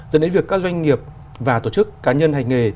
dẫn đến việc các doanh nghiệp và tổ chức cá nhân hành nghề